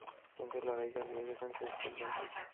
কিন্তু লড়াই চালিয়ে গেছেন শেষ পর্যন্ত।